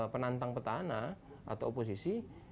penantang petana atau oposisi